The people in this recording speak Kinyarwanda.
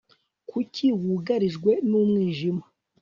kuki wugarijwe n'umwijima